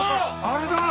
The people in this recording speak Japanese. あれだ！